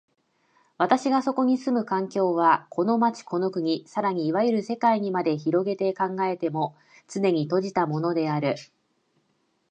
私がそこに住む環境は、この町、この国、更にいわゆる世界にまで拡げて考えても、つねに閉じたものである。